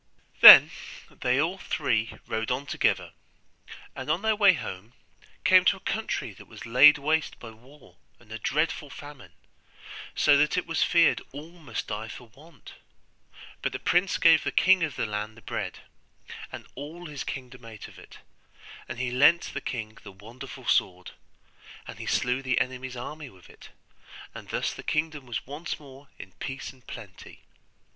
Then they all three rode on together, and on their way home came to a country that was laid waste by war and a dreadful famine, so that it was feared all must die for want. But the prince gave the king of the land the bread, and all his kingdom ate of it. And he lent the king the wonderful sword, and he slew the enemy's army with it; and thus the kingdom was once more in peace and plenty.